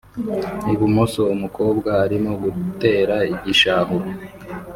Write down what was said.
Ibumoso umukobwa arimo gutera igishahuro